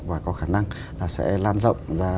và có khả năng là sẽ lan rộng ra